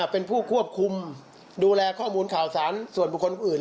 เป็นผู้ควบคุมดูแลข้อมูลข่าวสารส่วนบุคคลอื่น